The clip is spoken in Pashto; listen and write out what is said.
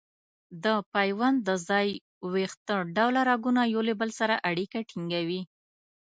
د پیوند د ځای ویښته ډوله رګونه یو له بل سره اړیکه ټینګوي.